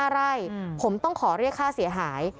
๕ไร่ผมต้องขอเรียกค่าเสียหาย